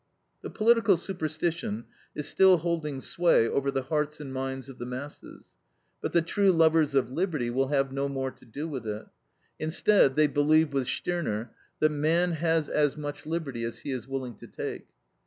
The political superstition is still holding sway over the hearts and minds of the masses, but the true lovers of liberty will have no more to do with it. Instead, they believe with Stirner that man has as much liberty as he is willing to take.